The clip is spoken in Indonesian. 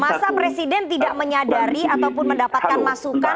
bang ali masa presiden tidak menyadari ataupun mendapatkan masukan